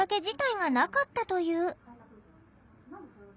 自体がなかったという。